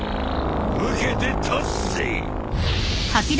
受けて立つぜ。